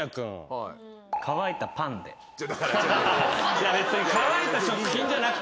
いや別に乾いた食品じゃなくていいのよ。